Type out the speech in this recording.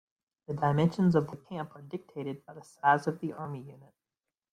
The dimensions of the camp are dictated by the size of the army unit.